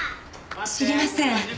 知りません。